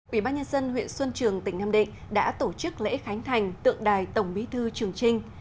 ủy ban nhân dân huyện xuân trường tỉnh nam định đã tổ chức lễ khánh thành tượng đài tổng bí thư trường trinh